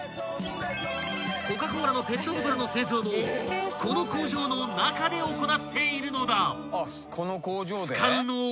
［コカ・コーラのペットボトルの製造もこの工場の中で行っているのだ］